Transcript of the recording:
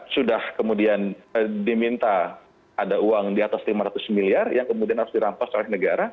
sudah kemudian diminta ada uang di atas lima ratus miliar yang kemudian harus dirampas oleh negara